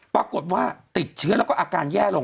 ปรากฏว่าติดเชื้อแล้วก็อาการแย่ลง